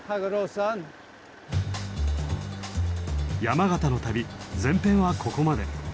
山形の旅前編はここまで。